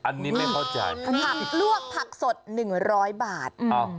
อันนี้ไม่เข้าใจผักลวกผักสด๑๐๐บาท